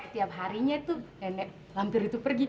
tiap harinya tuh nenek lampir itu pergi